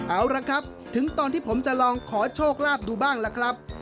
เอาละครับถึงตอนที่ผมจะลองขอโชคลาภดูบ้างล่ะครับ